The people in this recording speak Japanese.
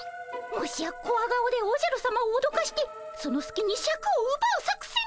もしやコワ顔でおじゃるさまをおどかしてそのすきにシャクをうばう作戦？